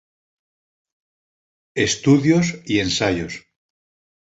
Estudios y Ensayos".